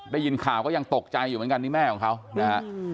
ได้ยินข่าวก็ยังตกใจอยู่เหมือนกันนี่แม่ของเขานะฮะ